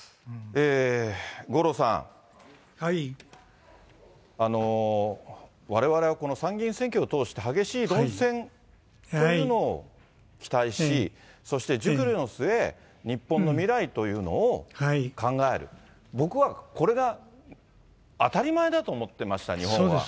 五郎さん、われわれはこの参議院選挙を通して、激しい論戦というのを期待し、そして熟慮の末、日本の未来というのを考える、僕はこれが当たり前だと思ってました、日本は。